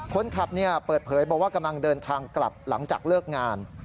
คนขับเปิดเผยบอกว่ากำลังเดินทางกลับหลังจากเลิกงาน